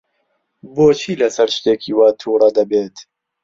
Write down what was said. بۆچی لەسەر شتێکی وا تووڕە دەبێت؟